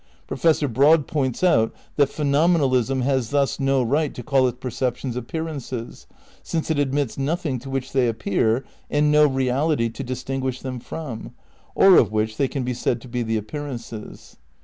Professor Broad points out that phenomenalism has thus no right to call its perceptions appearances, since it admits noth ing to which they appear and no reality to distinguish them from, or of which they can be said to be the ap pearances.